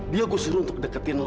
dia kusir untuk deketin lo